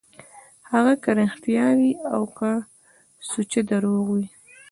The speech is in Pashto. هغه که رښتيا وي او که سوچه درواغ وي.